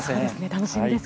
楽しみです。